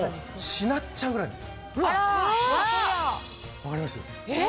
分かります？